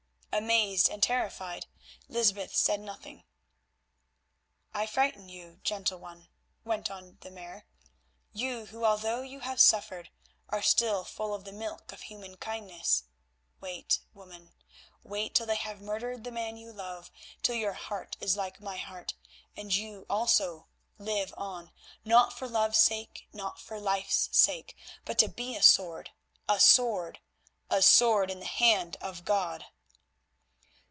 Amazed and terrified, Lysbeth said nothing. "I frighten you, gentle one," went on the Mare, "you who, although you have suffered, are still full of the milk of human kindness. Wait, woman, wait till they have murdered the man you love, till your heart is like my heart, and you also live on, not for love's sake, not for life's sake, but to be a Sword, a Sword, a Sword in the hand of God!"